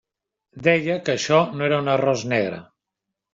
Deia que això no era un arròs negre.